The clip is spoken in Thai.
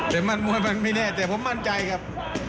แต่มันมวยมันไม่แน่แต่ผมมั่นใจครับ